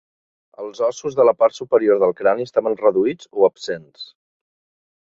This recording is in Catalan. Els ossos de la part posterior del crani estaven reduïts o absents.